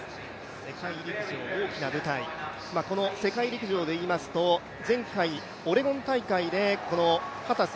世界陸上、大きな舞台この世界陸上でいいますと前回、オレゴン大会でこの秦澄